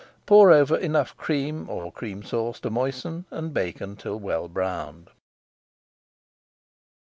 Pour over enough cream or Cream Sauce to moisten, and bake until well browned.